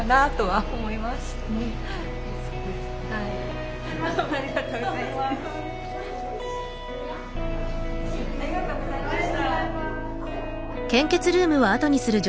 ありがとうございます。